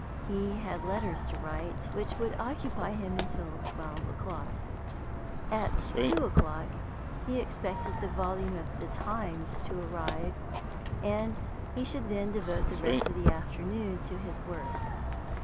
He had letters to write which would occupy him until twelve o'clock. At two o'clock he expected the volume of the Times to arrive, and he should then devote the rest of the afternoon to his work.